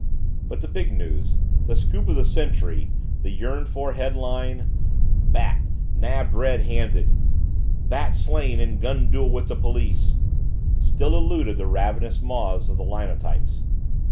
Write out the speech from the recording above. But the big news the scoop of the century the yearned for headline, "Bat Nabbed Red Handed", "Bat Slain in Gun Duel with Police" still eluded the ravenous maw of the Linotypes.